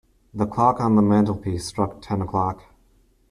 The clock on the mantelpiece struck ten o’clock.